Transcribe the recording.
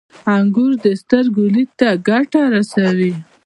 • انګور د سترګو لید ته ګټه رسوي.